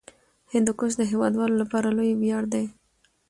هندوکش د هیوادوالو لپاره لوی ویاړ دی.